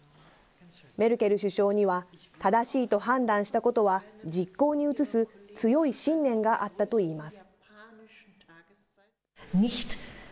メルケル首相には、正しいと判断したことは実行に移す強い信念があったといいます。